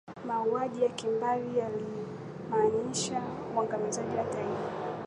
mauaji ya kimbari yalimaanishe uangamizaji wa taifa